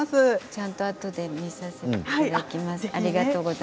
ちゃんとあとで見させていただきます。